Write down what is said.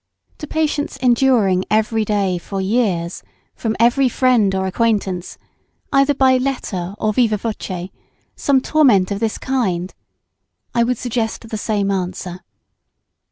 To patients enduring every day for years from every friend or acquaintance, either by letter or viva voce, some torment of this kind, I would suggest the same answer.